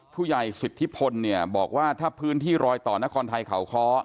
ผู้ใหญ่สุธิพลบอกว่าถ้าพื้นที่รอยต่อนครไทยเขาค้อ